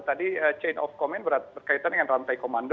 tadi chain of command berkaitan dengan rantai komando